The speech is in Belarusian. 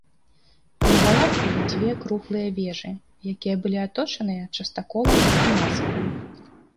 На валах былі дзве круглыя вежы, якія былі аточаныя частаколам і насыпам.